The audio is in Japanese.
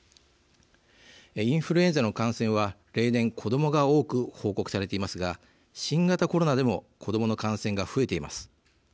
インフルエンザの感染は例年子どもが多く報告されていますが新型コロナでも子どもの感染が増えています。